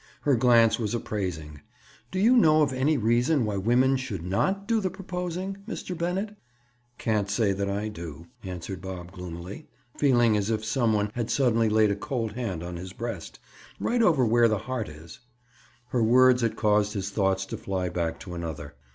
Her glance was appraising. "Do you know of any reason why women should not do the proposing, Mr. Bennett?" "Can't say that I do," answered Bob gloomily, feeling as if some one had suddenly laid a cold hand on his breast, right over where the heart is. Her words had caused his thoughts to fly back to another.